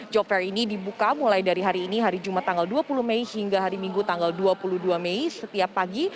job fair ini dibuka mulai dari hari ini hari jumat tanggal dua puluh mei hingga hari minggu tanggal dua puluh dua mei setiap pagi